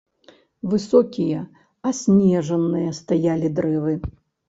Высокія, аснежаныя стаялі дрэвы.